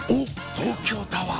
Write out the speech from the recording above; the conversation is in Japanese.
東京タワー